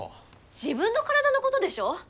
自分の体のことでしょ？